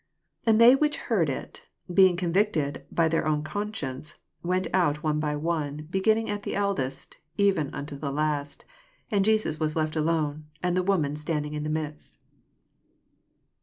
9 And they which heard ii, being convicted by their own conscience, went out one by one, beginning at the eld est, even unto the last: and Jesus was left alone, and the woman standing in the midst.